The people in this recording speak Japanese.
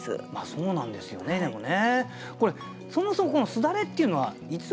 そうなんですよねでもね。